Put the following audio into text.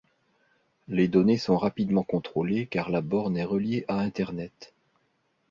Les données sont rapidement contrôlées car la borne est reliée à Internet.